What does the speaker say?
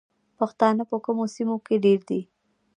پښتانه په کومو سیمو کې ډیر دي؟